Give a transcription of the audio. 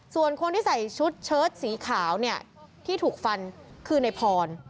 ส่วนคนที่ใส่ชุดเชิดสีขาวเนี่ยที่ถูกฟันคือในพร